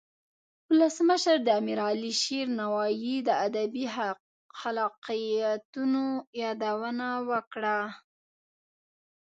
ولسمشر د امیر علي شیر نوایی د ادبی خلاقیتونو یادونه وکړه.